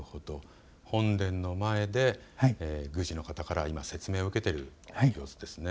本殿の前で宮司の方から今説明を受けている様子ですね。